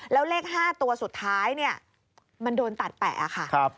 แล้วเลข๕ตัวสุดท้ายเนี่ยมันโดนตัดแปะค่ะ